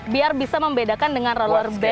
biar bisa membedakan dengan roller bed